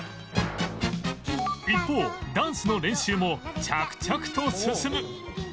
一方ダンスの練習も着々と進む